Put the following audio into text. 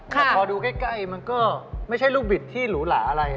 แต่พอดูใกล้มันก็ไม่ใช่ลูกบิดที่หรูหลาอะไร